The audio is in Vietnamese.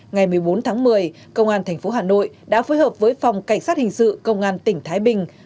ngày một mươi bốn tháng một mươi công an tp hà nội đã phối hợp với phòng cảnh sát hình sự công an tỉnh thái bình